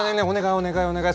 お願いお願い。